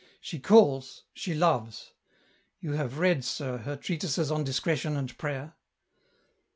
She calls, she loves ! You have read, sir, her treatises on Discretion and Prayer